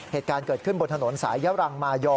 เหตุการณ์เกิดขึ้นบนถนนสายยะรังมายอ